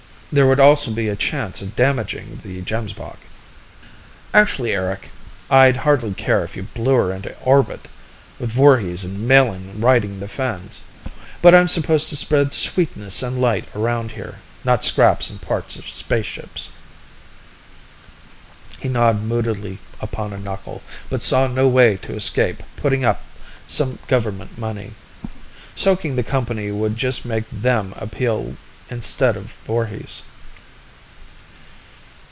"There would also be a chance of damaging the Gemsbok." "Actually, Eric, I'd hardly care if you blew her into orbit, with Voorhis and Melin riding the fins! But I'm supposed to spread sweetness and light around here not scraps and parts of spaceships." He gnawed moodily upon a knuckle, but saw no way to escape putting up some government money. Soaking the company would just make them appeal instead of Voorhis.